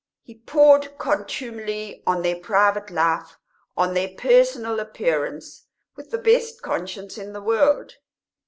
He poured contumely on their private life, on their personal appearance, with the best conscience in the world.